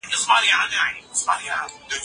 خلیفه ته واک ورکړل سوی و چي مځکه ودانه کړي.